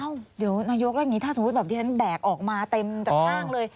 เดี๋ยวนายกแล้วอย่างนี้ถ้าสมมุติแบบที่ฉันแบกออกมาเต็มจากห้างเลย